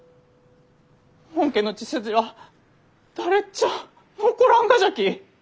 本家の血筋は誰ちゃあ残らんがじゃき。